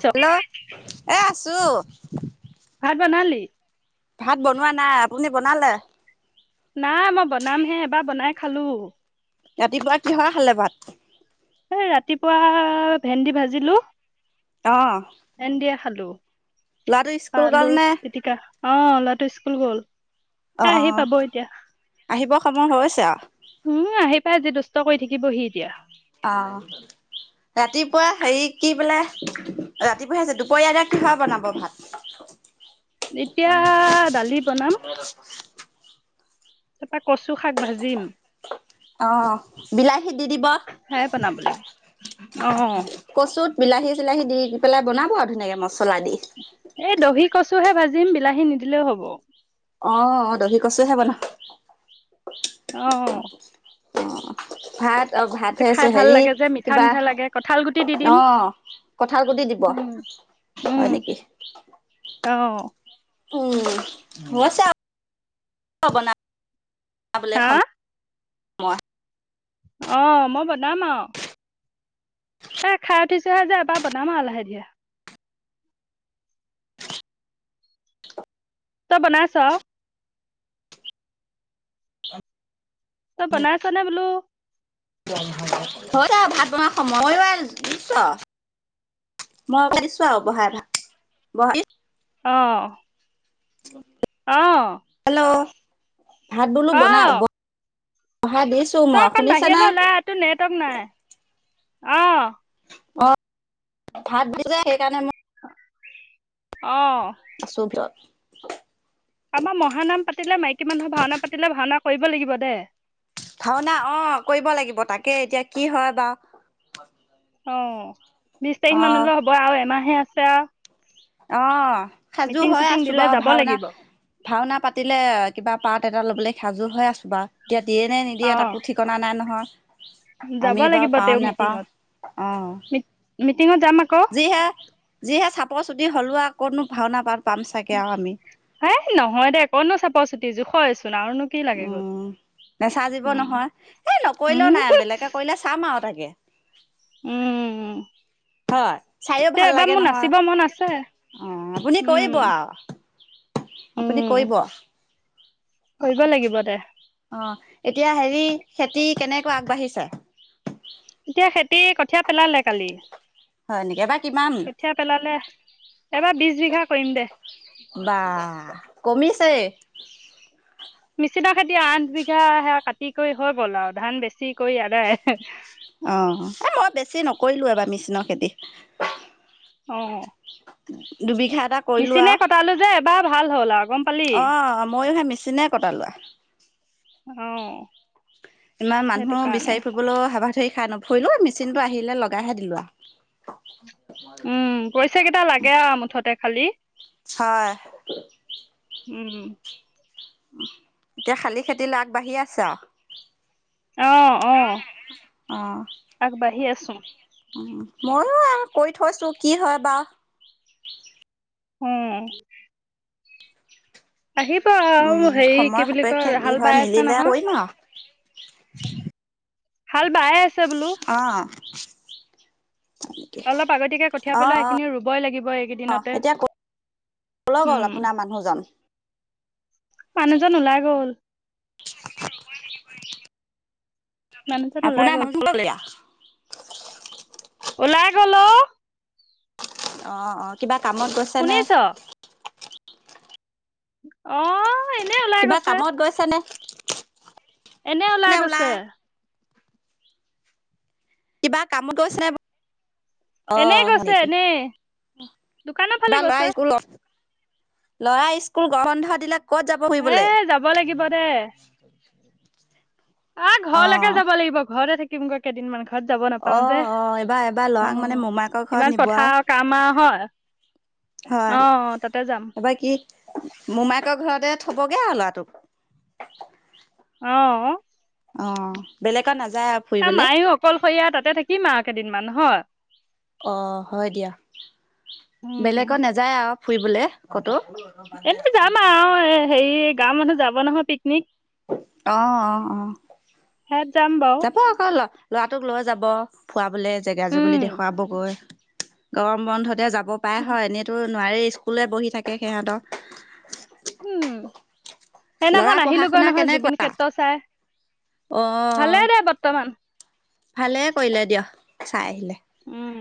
ছ hello এ ছু ভাত বনালি ভাত বনোৱা নাই আপুনি বনালে নাই মই বনামহে এবাৰ বনাই খালো ৰাতিপুৱা কিহৰ খালে ভাট এ ৰাতিপুৱা ভেন্দি ভাজিলো আহ হেল্ল' ল'ৰাটো স্কুল গ'ল নে অ ল'ৰাটো স্কুল গ'ল অ এ আহি পাব এতিয়া আহিব সময় হৈছে তা উম আহি পাই আজি দুষ্ট কৰি থাকিবহি এতিয়া আহ ৰাতিপুৱা হেৰি কি বোলে ৰাতিপুৱাছে দুপৰীয়া এতিয়া কিহৰ বনাব ভাত এতিয়া দালি বনাম তাপা কচু শাক ভাজিম অ', বিলাহী দি দিব সেয়াই বনাব লাগিব অ কচুত বিলাহী চিলাহী দি পেলাই বনাব আৰু ধুনীয়াকৈ মছলা দি। এই দহি কচু হে ভাজি দিম বিলাহী নিদিলেও হ'ব। অ', দহি কচুহে বনাব। অ। অ', ভাত। ত খাই ভাতছে ভাল হেৰি লাগে যে মিঠা কিবা মিঠা লাগে কঁঠাল গুটি দি দিম অ কঁঠাল গুতি দিব উম উম হয় নেকি। অ উম মই চ না বনা বনাবলে হা সময় মই। অ', মই বনাম আৱ। এ খাই উঠিছোহে যে এবাৰ বনাম আৰু লাহে দিহে। ত বনাই ছ। তই বনাই আছ নে বোলো। হয় ভাত বনোৱা খয়ো আৰু দিছো মই দিছো আৰু বহাই ভাত বহাই। অ। অ হেল্ল ভাত বলো অ বনাই। বহাই দিছো তই মই অকণ শুনিছা না বাহিৰলৈ ওলাই অহা নেটৱৰ্ক নাই। অ। অ', ভাত দি যায় সেইকাৰণে মই। অ চব যাত [unintelligible] আমাৰ মহানাম পাতিলে মাইকী মানুহৰ ভাওনা পাতিলে ভাওনা কৰিব লাগিব দে। ভাওনা অ কৰিব লাগিব তাকে এতিয়া কি হয় বাাৰ। অ। বিশ তাৰিখ মানলৈ হ'ব আৰু এমাহে আছে। আছে আৰু অ। সাজু মিটিং হৈ চিটিং আছো দিলে বাৰু যাব ভাওনা লাগিব ভাওনা- পাতিলে কিবা পাত এটা ল'বলে সাজুৰ হৈ আছো বা। এতিয়া দিয়ে নে নিদিয়ে অ তাকো ঠিকনা নাই নহয়। যাব আমি বাৰু লাগিব পাওঁ তেওঁ নেপাওঁ অ মিটিঙত যাম আকৌ যিহে যিহে চাপৰ চুটি। বুঢ়ী হলো। আৰু কতনো ভাওনা পা হে নহয় দে কতনো চাপৰ চুটি জোখৰে চো- উম নেচাজীব উম নহয় এই নকৰিলেও উম নাই বেলেগে কৰিলে চাম আৰু তাইক তাকে উম উম হয় চাইও ভাল লাগে নহয় মন আছে অ আপুনি উম কৰিব আ আপুনি উম কৰিব কৰিব লাগিব এতিয়া হেৰি খেতি কেনেকৈ আগবাঢ়িছে। এতিয়া খেতি খেতি কঠীয়া পেলালে কালি। হয় নেকি এবাৰ কিমান কঠিয়া পেলালে এবাৰ বিছ বিঘা কৰিম দে। কমিছেই মেচিনা খেতি আঠ বিঘা সেয়া কাটি কৰি হৈ গ'ল আ ধান বেছি কৰি আদায় অ এই মই বেছি নকৰিলোঁ এবাৰ মিচনৰ খেতি। অ দুবিঘাত মিচিনে কটালো যে এবাৰ ভাল হল আৰু গম পালি চিনে কটা লোৱা আ অ ইমান সেইটো মানুহো কাৰণে বিচাৰি ফুৰিবলৈও সাৱাথুৰি। খাই নুফুৰিলো মেচিনটো আহিলে লগাইহে দিলো আহ উম পইচা কেইটা লাগে আ মুঠতে খালি হয় উম উম এতিয়া খালী খেতি আগবাঢ়ি আছে আ অ অ আগবাঢ়ি আছো [unintelligible] ময়ো আৰু কৰি থৈছো কি হয় বাৰ্ উম উম আহিব আৰু উম হেৰি সময় কি বুলি সাপেক্ষে কয় কি হাল হয় বাই আছে মিলিলে নহয়। কৰিম আৰু [unintelligible] হাল বায়ে আছে। বোলো অ চ অলপ আগতিকে কঠিয়াই পেলাই সেইখিনি ৰুবই লাগিব অ এইকেইদিনতে এতিয়া কলৈ গ'ল উম আপোনাৰ মানুহজন মানুহজন ওলাই গ'ল মানুহজন ওলাই আপোনাৰ মানুহ গ'ল এতিয়া ওলাই গ'ল অ অ অ কিবা কামত গৈছে নে শুনিছ অ এনে ওলাই কিবা গৈছে কামত গৈছ নে এনে ওলাই গৈছে কিবা কামত গৈছে নে অ এনেই হয় গৈছে নেকি এনেই দোকানৰ কিবা ফালে ল'ৰা গৈছে স্কুল ল'ৰা স্কুল গৰম বন্ধ দিলে ক'ত যাব এ ফুৰিবলে যাব লাগিব দে। আহ অ ঘৰলেকে যাব লাগিব, ঘৰতে থাকিম। থাকিম গৈ কেইদিনমান। ঘৰত যাব অ নাপাওঁ যে। অ এইবাৰ এবাৰ ল'ৰাক মানে উ মোমায়েকৰ ঘৰত ইমান নিব আৰু পথাৰ কাম আও হয়, আহ তাতে যাম। মোমাইকৰ ঘৰতে থবগে আও ল'ৰাটোক। আহ অ। অ বেলেকত নাজাই? ত মায়ো অকলশৰীয়া তাতে থাকিমা আ। দিনমান হয়। অ হয় দিয়া, বেলেগত নাযায় আও। ফুৰিবলে ক'তো? এনেই যাম আও। হেৰি গাৱৰ মানুহ যাব নহয় পিকনিক। অ অ অ সেয়াত যাম বাৰু যাব আক ল ল'ৰাটোক লৈ যাব। ফুৰৱাবলে জেগা জেগুলি উম দেখুৱাবগৈ। গৰম বন্ধতে যাব। ব পাৰে হয় এনেইতো। নোৱাৰি স্কুলে বহি থাকে সিহঁতৰ। উম। ল'ৰা সেইদিনাখন পঢ়া আহিলোগৈ শুনা নহয় জুবিন কেনেকুৱা ক্ষেত্ৰ চাই। অ ভালেই দে বৰ্তমান। ভালে কৰিলে দিয়, চাই আহিলে। উম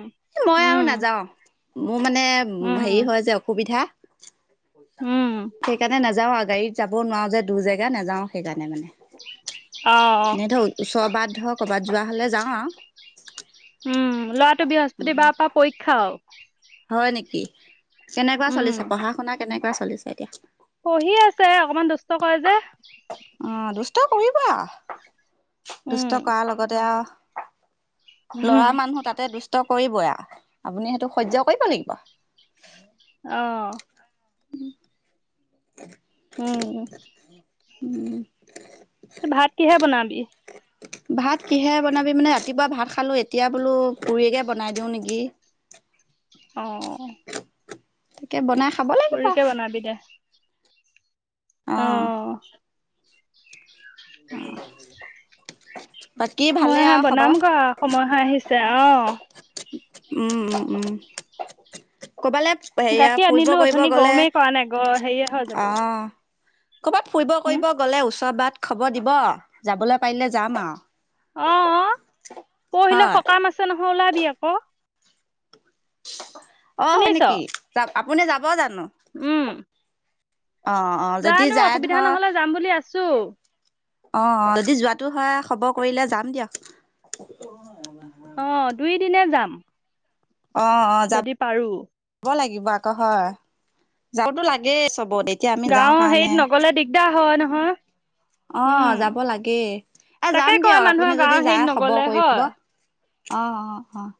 মই আৰু উম নাযাওঁ। মোৰ মানে উম হেৰি হয় যে, অসুবিধা। উম সেইকাৰণে নাযাও আ গাড়ীত যাব নোৱাৰো যে দূৰ জেগা, নাযাওঁ সেইকাৰণে অ অ মানে। এনেই ধৰক ওচৰবাত ধৰক ক'বাত যোৱা হ'লে যাওঁ আও উম ল'ৰাটো ব্যস পতি বাৰৰ পা পৰীক্ষাও। হয় নেকি? কেনেকুৱা চলিছে পঢ়া-শুনা? কেনেকুৱা চলিছে, এতিয়া পহি আছে, অকমান দুষ্ট কৰে যে। ট কৰিব আও। দুষ্ট উম কৰাৰ লগতে আও ল'ৰা উম, মানুহ তাতে দুষ্ট কৰিবয়ে আ আপুনি সেইটো সহ্য কৰিব লাগিব। অহ। [unintelligible] উম। উম ভাত কিহে বনাবি? ভাত কিহেৰে বনাবি মানে, ৰাতিপুৱা ভাত খালোঁ। এতিয়া বোলো পুৰিকে বনাই দিওঁ নেকি। অ'। তাকে বনা। পুৰিকে বনাবি দে'। অ'। অ'। মই হা বনাম গৈ আও সময় হৈ আহিছে। ছে, অ'। উম' উম' উম'। ক'বালে হেৰিয়া গাখীৰ ফুৰিব আনিলো কৰিব অথনি, গ'লে গৰমেই কৰা নাই গ হেৰিয়ে হৈ যাব। অ ক'ৰবাত ফুৰিব হম কৰিব গ'লে ওচৰ বাট খবৰ দিব আও, যাবলৈ পাৰিলে যাম আৰু। অ' অ' পৰহিলে হয় সকাম আছে নহ ওলাবি আক। অ' হয় নেকি? যাম। আপুনি যা যাব জানোঁ? জানোঁ অসুবিধা নহ'লে যাম বুলি আছোঁ। অ' যদি যোৱাটো হয়, খবৰ কৰিলে যাম দিয়ক। অ' দুই দিনে যাম। অ' অ' যাব যদি পাৰো যাব লাগিব। লাগিব আকৌ হয়, যাবটো লাগেই চ'বটে। গাঁও হেৰিত নগলে দিগদাৰ হয় নহয়। উম অ' যাব লাগে, এ তাকে যাম কয় দিয়ক আপুনি মানুহে যদি গাঁৱৰ হেৰিত যায় খবৰ নগলে কৰিব। হয় অহ' অ' অ' অ'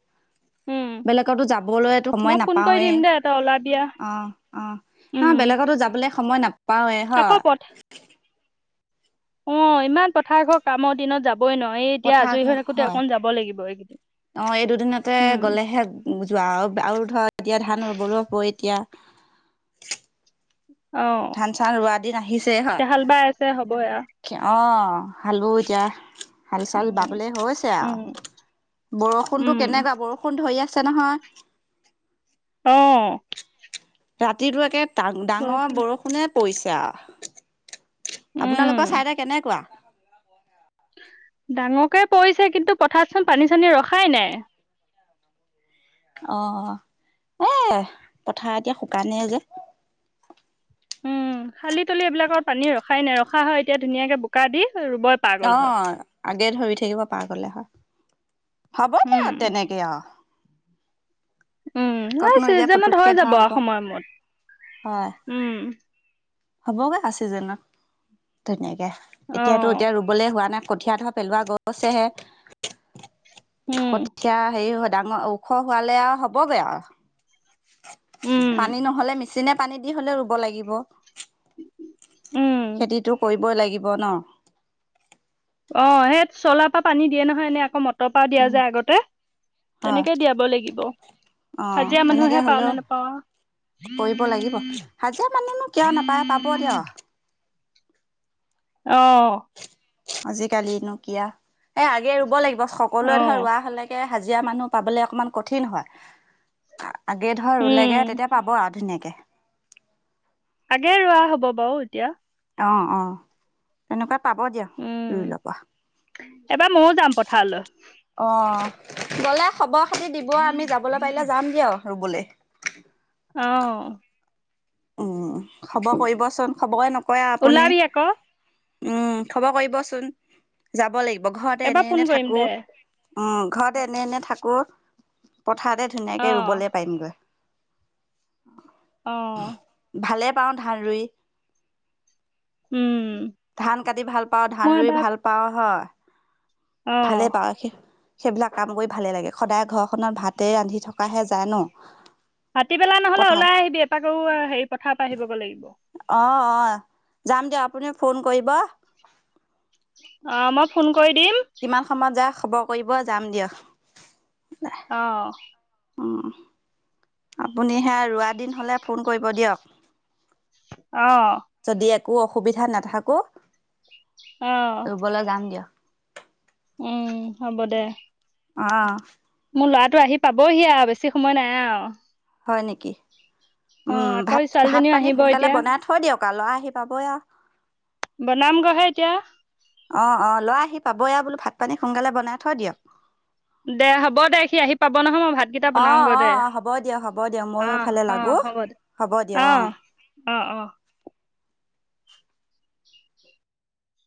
উম বেলেগটো যাবলৈ সময় মই ফোন কৰি নাপাওৱেই দিম দে তই ওলাবি আও অ' অ' তাহ উম বেলেগতো যাবলে সময় নাপা পাওঁৱে আকৌ হয়। পথ অ ইমান পথাৰ ঘৰ কামৰ দিনত যাব, বৈ নোৱায়ি এতিয়া পথাৰ আজৰি হৈ থাকোতে হয় অকণ যাব লাগিব এই অ এই দুদিনতে গলেহে যোৱা আও, আও ধয়া এতিয়া ধান হবলো হ'ব এতিয়া। অ ধান চান ৰোৱা দিন আহিছে এতিয়া হাল বাই আছে হ'বই আৰু হয়? অ অ খালোঁ এতিয়া। হাল চাল উম বাবলে হৈছে আও, উম বৰষুণতটো উম কেনেকুৱা? বৰষুণ ধৰি আছে- আছে নহয়। অঁ ৰাতিটো একে- ডাঙৰ বৰষুণে পৰিছে কা উম আপোনালোকৰ চাইদে কেনেকুৱা? ডাঙৰকে পৰিছে কিন্তু পথাৰতচোন পানী চানী ৰখাই নাই। অ, এ পথাৰ এতিয়া শুকানেই যে। উম খালি তলি এইবিলাকত পানী ৰখাই নাই, ৰখা হয় এতিয়া ধুনীয়াকে বোকা দি। ৰুবই পৰা গ'ল অ হয় আগে ধৰি থাকিব পাৰ গলে হয়, হ'ব উম দিয়া তেনেকে অহ। উম এই এতিয়া চিজনত হৈ পুতুককে ধৰা যাব হ'ব অসময়মত। উম, হ'বগে আছে যেনো ধুনীয়াকে। অ এতিয়াতো এতিয়া ৰুবলে হোৱা নাই। কঠীয়া ধৰ পেলোৱা গৈছেহে। উম কঠীয়া হেৰি হয়, ডাঙৰ ওখ হোৱালে আও হ'বগে আও। উম পানী নহ'লে মি চিনে পানী দি হলেও ৰুব লাগিব। উম খেতিটো কৰি। বই লাগিব ন, অ সেই চলাৰ পৰা পানী দিয়ে নহয় এনে আকৌ ম ৰ পৰা দিয়ে উম যে আগতে, হয় তেনেকেই দিয়াব লাগিব। অ হাজিৰা তেনেকে মানুহে পাও হ'লেও নে নোপাওঁ, কৰিব লাগিব হাজিৰা মানুহনো কিয় নাপায় পাব দিয়ক অহ। আজিকালি নো কি আও। এ আগে ৰুব লাগিব সকলোৱে অ ধৰ ৰোৱা হলেকে, হাজিৰা মানুহ পাবলে অকমান কঠিন হয়। আগে ধৰ উম ৰুলেগে, তেতিয়া পাব আও ধুনীয়াকে। [unintelligible] আগে ৰোৱা হ'ব বাৰু এতিয়া। অ, অ তেনেকুৱা উম, এইবাৰ ময়ো যাম পথাৰলৈ। অ গ'লে হব। খতি দিব আমি যাবলৈ পাৰিলে যাম দিয়ক। ৰুবলে। অ উম খব কৰিবচোন। খবৰে নক কয় আপুনি ওলাবি আকৌ উম, খব কৰিবচোন। যাব লাগিব। ঘৰতে এবাৰ ফোন এনে-এনে কৰিম থাকো, দে উম ঘৰত এনে এনে থাকো। পথাৰতে অ ধুনীয়াকে ৰুবলৈ পাৰিমগৈ। প [unintelligible] অ ভালে পাওঁ ধান ৰুই। উম ধান কাটি ভাল পাও, ধান মই ৰুই এবাৰ ভাল পাও হয়। অ ভালে পাৱক সি। সেইবিলাক কাম কৰি ভালেই লাগে। সদায় ঘৰখনত ভাতেই ৰান্ধি থকাহে যায়, ন? ভাটি বেলা নহ'লে পথাৰত ওলাই আহিবি এপাক ঔ আ হেৰি পথা পা আহিবগৈ লাগিব। অ, অ যাম দিয়ক। আপুনিও ফোন কৰিব। অ, মই ফোন কৰি দিম। কিমান সময়ত যা, খবৰ কৰিব যাম দিয়ক। অ অ আপুনি সে ৰোৱা দিন হলে ফোন কৰিব দিয়ক। অ-অ। যদি একো অসুবিধা নাথাকো। অ ৰুবলৈ যাম দিয়ক। উম হ'ব দে। অ। মোৰ ল'ৰাটো আহি পাবহি আৰু বেছি সময় নাই আৰু। হয় নেকি? অ উম আকৌ ভাত, ভাত ছোৱালীজনীও পানী আহিব সোনকালে এতিয়া বনাই থৈ দিয়ক। ল'ৰা আহি পাব আৰু বনাম গহে এতিয়া অ অ লৈ আহি পাব ই বোলো ভাত পানী সোনকালে বনাই থৈ দিয়ক। দে হ'ব দে সি আহি পাব নহয় মই ভাতকেইটা অ', বনাওগৈ দে অ', হ'ব দিয়ক হ'ব দিয়ক অ ময়ো এইফালে অ লাগো হ'ব দে হ'ব দিয়ক অ অ অ